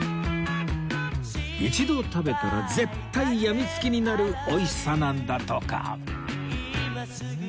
一度食べたら絶対病み付きになる美味しさなんだとか